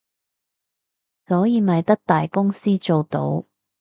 所以咪得大公司做到